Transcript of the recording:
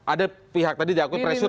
ada pihak tadi diakui pressure